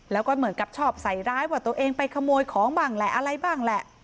แล้วก็เหมือนกับชอบใส่ร้ายว่าตัวเองไปขโมยของบ้างแหละอะไรบ้างแหละ